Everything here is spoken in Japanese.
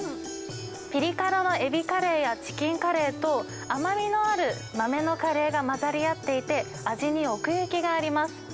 ぴり辛のエビカレーやチキンカレーと、甘みのある豆のカレーが混ざり合っていて、味に奥行きがあります。